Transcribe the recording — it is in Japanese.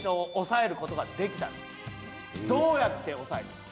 どうやって抑えたか？